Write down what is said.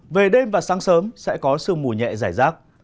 về đêm và sáng sớm sẽ có sương mù nhẹ giải rác